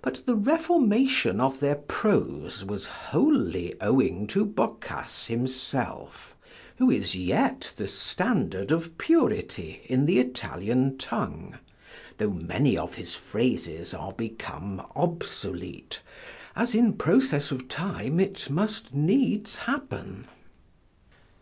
But the reformation of their prose was wholly owing to Boccace himself, who is yet the standard of purity in the Italian tongue; tho' many of his phrases are become obsolete, as in process of time it must needs happen.